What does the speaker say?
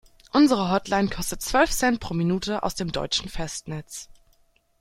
Unsere Hotline kostet zwölf Cent pro Minute aus dem deutschen Festnetz.